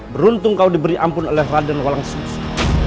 beruntung kau diberi ampun oleh raden walang substan